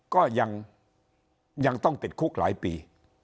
ก็ยังต้องติดคุกหลายปี